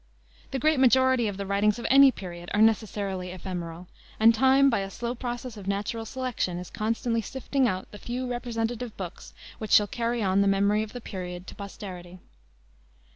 The great majority of the writings of any period are necessarily ephemeral, and time by a slow process of natural selection is constantly sifting out the few representative books which shall carry on the memory of the period to posterity.